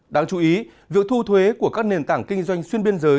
đáng chú ý việc thu thuế của các nền tảng kinh doanh xuyên biên giới